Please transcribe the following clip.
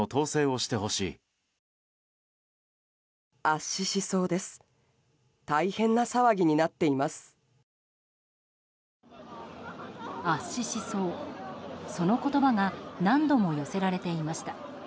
圧死しそう、その言葉が何度も寄せられていました。